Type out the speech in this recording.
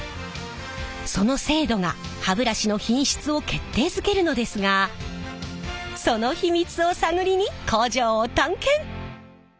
その精度が歯ブラシの品質を決定づけるのですがその秘密を探りに工場を探検！